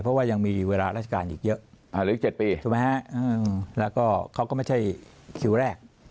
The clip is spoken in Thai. เพราะว่ายังมีเวลาราชการอีกเยอะหรืออีก๗ปีถูกไหมฮะแล้วก็เขาก็ไม่ใช่คิวแรก